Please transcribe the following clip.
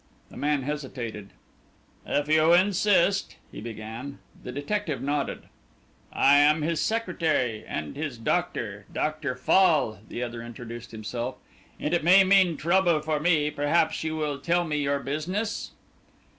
The man hesitated. "If you insist," he began. The detective nodded. "I am his secretary and his doctor Doctor Fall," the other introduced himself, "and it may mean trouble for me perhaps you will tell me your business?"